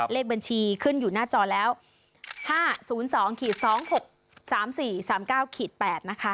เลขบัญชีขึ้นอยู่หน้าจอแล้ว๕๐๒๒๖๓๔๓๙๘นะคะ